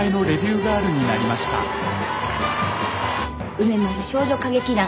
梅丸少女歌劇団